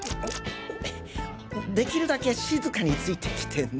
できるだけ静かについてきてね。